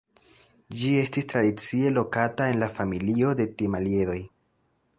Ĝi estis tradicie lokata en la familio de Timaliedoj.